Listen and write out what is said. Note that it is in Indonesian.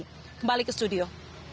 kembali ke studio